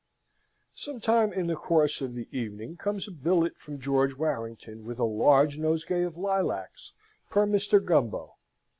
Some time in the course of the evening comes a billet from George Warrington, with a large nosegay of lilacs, per Mr. Gumbo.